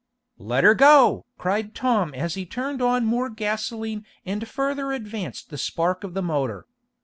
"Let her go!" cried Tom as he turned on more gasoline and further advanced the spark of the motor.